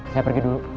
saya pergi dulu